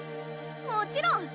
もちろん！